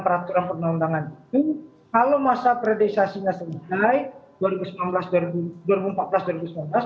tetapi jadi kemudian misalnya pengajaran speaker behind the sms